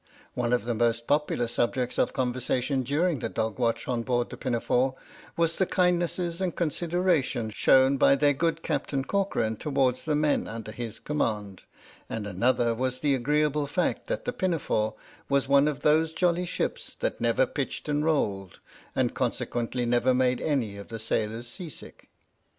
One of the most popular subjects of conversation during the dog watch on board the Pinafore was the kindness and consideration shown by their good Captain Corcoran towards the men under his command, and another was the agreeable fact that the Pinafore was one of those jolly ships that never pitched and rolled, and consequently never made any of the sailors sea sick.